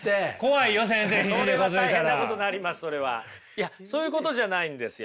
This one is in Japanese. いやそういうことじゃないんですよ。